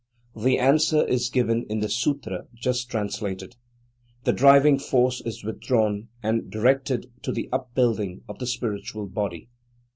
The answer is given in the Sutra just translated. The driving force is withdrawn and directed to the upbuilding of the spiritual body.